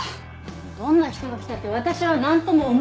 どんな人が来たって私はなんとも思いません。